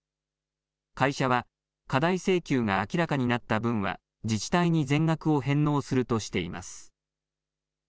会社は、過大請求が明らかになった分は、自治体に全額を返納するとしています。